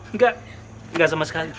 enggak enggak sama sekali